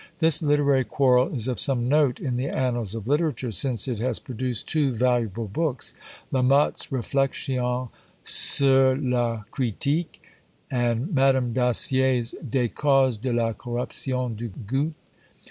This literary quarrel is of some note in the annals of literature, since it has produced two valuable books; La Motte's "Réflexions sur la Critique," and Madame Dacier's "Des Causes de la Corruption du Goût."